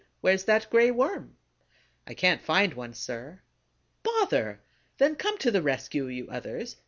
Where's that Gray Worm?" "I can't find one, sir." "Bother! Then come to the rescue, you others!